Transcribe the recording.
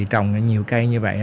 trong nhiều cây như vậy